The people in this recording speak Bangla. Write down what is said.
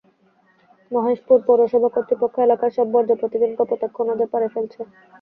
মহেশপুর পৌরসভা কর্তৃপক্ষ এলাকার সব বর্জ্য প্রতিদিন কপোতাক্ষ নদের পাড়ে ফেলছে।